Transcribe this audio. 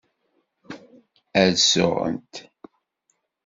Ad suɣent.